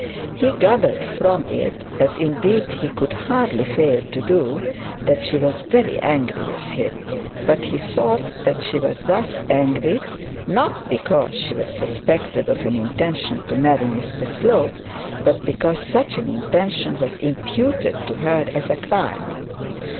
He gathered from it, as indeed he could hardly fail to do, that she was very angry with him; but he thought that she was thus angry, not because she was suspected of an intention to marry Mr Slope, but because such an intention was imputed to her as a crime.